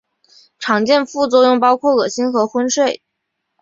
常见副作用包含恶心和昏睡。